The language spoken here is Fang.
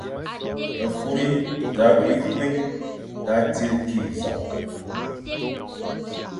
« kuri da wi kwuign da zi kig zokh.